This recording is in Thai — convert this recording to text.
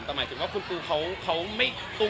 แต่หมายถึงว่าคุณปูเขา